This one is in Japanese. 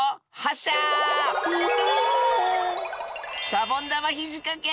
シャボンだまひじかけ！